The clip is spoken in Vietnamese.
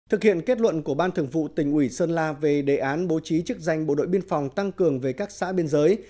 thực hiện kết luận của ban thường vụ tỉnh ủy sơn la về đề án bố trí chức danh bộ đội biên phòng tăng cường về các xã biên giới